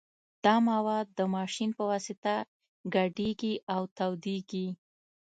دا مواد د ماشین په واسطه ګډیږي او تودیږي